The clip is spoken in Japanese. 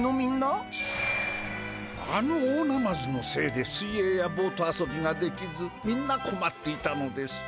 あの大ナマズのせいで水泳やボート遊びができずみんなこまっていたのです。